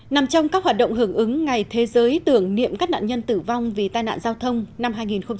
nằm trong các hoạt động hưởng ứng ngày thế giới tưởng niệm các nạn nhân tử vong vì tai nạn giao thông năm hai nghìn một mươi chín